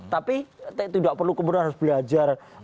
tapi tidak perlu kebenaran belajar